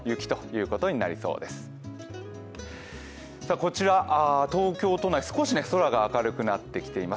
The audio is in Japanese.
こちら、東京都内、少し空が明るくなってきています。